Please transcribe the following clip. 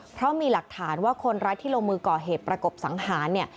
เพราะมีหลักฐานว่าคนรัฐฤทธิ์ที่ลงมือก่อเหตุประกบสังหาร